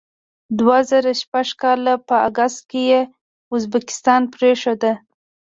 دوه زره شپږ کال په اګست کې یې ازبکستان پرېښود.